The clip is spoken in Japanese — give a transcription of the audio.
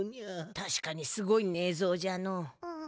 たしかにすごい寝相じゃのう。